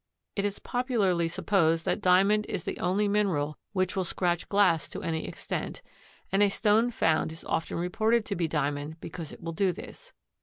It is popularly supposed that Diamond is the only mineral which will scratch glass to any extent, and a stone found is often reported to be Diamond because it will do this.